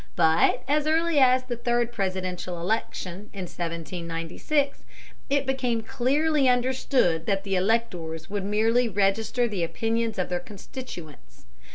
But as early as the third Presidential election (1796) it became clearly understood that the electors would merely register the opinions of their constituents.